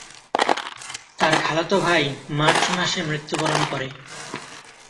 তার খালাতো ভাই মার্চ মাসে মৃত্যুবরণ করে।